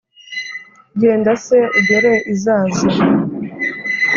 Genda se ugere i Zaza: